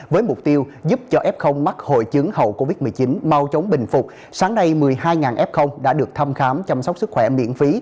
với mục tiêu giúp cho f mắc hội chứng hậu covid một mươi chín mau chóng bình phục sáng nay một mươi hai f đã được thăm khám chăm sóc sức khỏe miễn phí